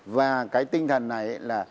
và cái tinh thần này là